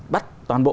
bắt toàn bộ